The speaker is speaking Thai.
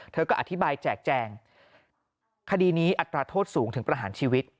เธอก็อธิบายแจกแจงคดีนี้อัตราโทษสูงถึงประหารชีวิต